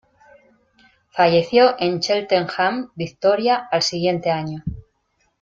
Falleció en Cheltenham, Victoria, al siguiente año.